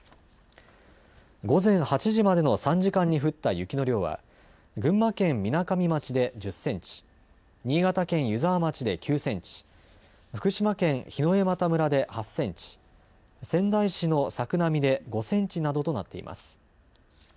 午前８時までの３時間に降った雪の量は群馬県みなかみ町で１０センチ、新潟県湯沢町で９センチ、福島県檜枝岐村で８センチ、仙台市の作並で５センチなどとなっています。